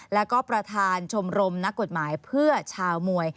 แล้วก็ประธานชมรมนักกฎหมายเพื่อชาวมวย